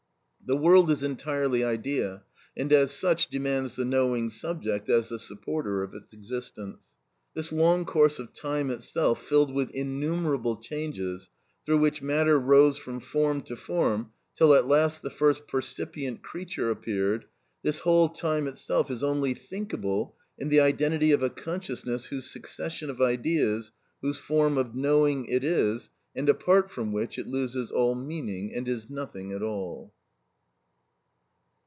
The world is entirely idea, and as such demands the knowing subject as the supporter of its existence. This long course of time itself, filled with innumerable changes, through which matter rose from form to form till at last the first percipient creature appeared,—this whole time itself is only thinkable in the identity of a consciousness whose succession of ideas, whose form of knowing it is, and apart from which, it loses all meaning and is nothing at all.